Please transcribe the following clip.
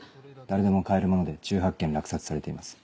誰でも買えるもので１８件落札されています。